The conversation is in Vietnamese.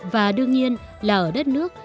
và đương nhiên là ở đất nước